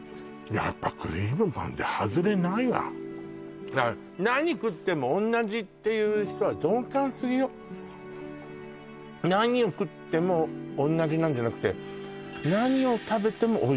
やっぱクリームパンってハズレないわ「何食っても同じ」っていう人は鈍感すぎよ何を食っても同じなんじゃなくてそうですね